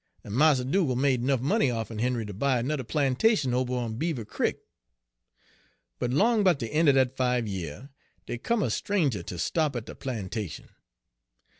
En Mars Dugal' made 'nuff money off'n Henry ter buy anudder plantation ober on Beaver Crick. "But 'long 'bout de een' er dat five year dey come a stranger ter stop at de plantation.